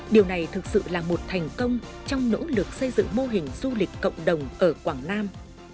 điều này thực sự là một thành công trong nỗ lực xây dựng mô hình du lịch cộng đồng ở quảng nam